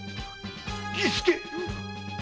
儀助！